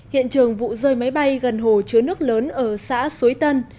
hiện trường vụ rơi máy bay gần hồ chứa nước lớn ở xã suối tân